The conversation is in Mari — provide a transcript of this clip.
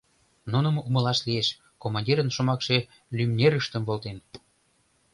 Нуным умылаш лиеш: командирын шомакше лӱмнерыштым волтен.